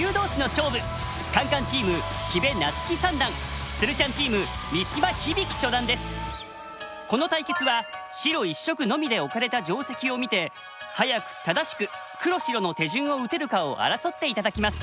カンカンチームつるちゃんチームこの対決は白一色のみで置かれた定石を見て早く正しく黒白の手順を打てるかを争って頂きます。